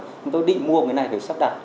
chúng tôi định mua cái này phải sắp đặt